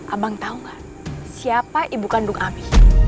abang tau gak siapa ibu kandung ami